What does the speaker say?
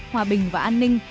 hòa bình và an ninh